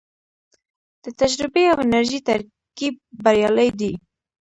د تجربې او انرژۍ ترکیب بریالی دی